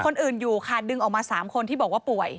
คนอื่นอยู่ค่ะดึงออกมา๓คนที่บอกว่าป่วย